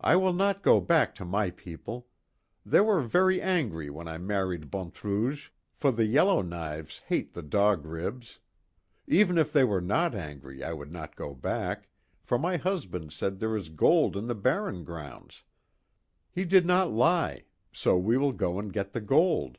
I will not go back to my people. They were very angry when I married Bonnetrouge, for the Yellow Knives hate the Dog Ribs. Even if they were not angry I would not go back, for my husband said there is gold in the barren grounds. He did not lie. So we will go and get the gold."